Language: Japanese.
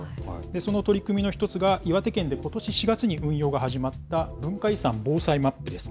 その取り組みの一つが、岩手県でことし４月に運用が始まった文化遺産防災マップです。